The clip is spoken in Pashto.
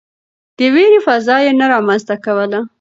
د وېرې فضا يې نه رامنځته کوله.